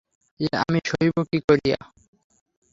এ আমি সহিব কী করিয়া?